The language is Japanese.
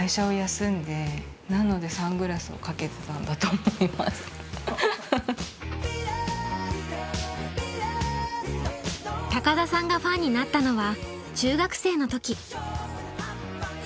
それこそ田さんがファンになったのは中学生の時。